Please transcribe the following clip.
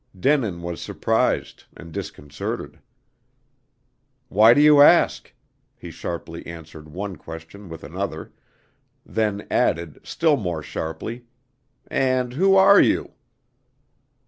Denin was surprised and disconcerted. "Why do you ask?" he sharply answered one question with another; then added, still more sharply, "And who are you?"